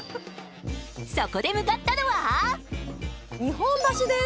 そこで向かったのは日本橋です。